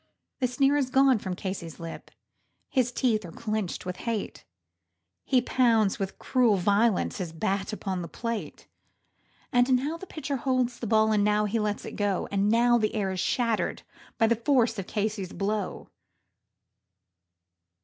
The sneer is gone from Casey's lip; his teeth are clenched with hate, He pounds with cruel violence his bat upon the plate; And now the pitcher holds the ball, and now he lets it go, And now the air is shattered by the force of Casey's blow.